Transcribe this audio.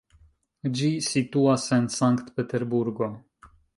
Ĝi situas en Sankt-Peterburgo.